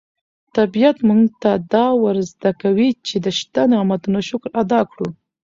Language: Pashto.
طبیعت موږ ته دا ور زده کوي چې د شته نعمتونو شکر ادا کړو.